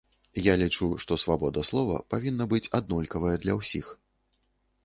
Я лічу, што свабода слова павінна быць аднолькавая для ўсіх.